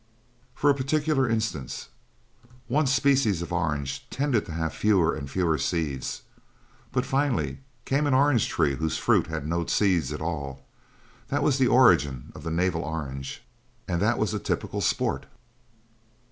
"For a particular instance, one species of orange tended to have few and fewer seeds. But finally came an orange tree whose fruit had no seeds at all. That was the origin of the navel orange. And that was a typical 'sport'.